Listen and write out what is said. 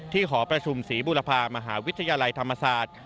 ที่ขอประชุมศรีภูมิภาคงามหาวิทยาลัยธรรมศาสตร์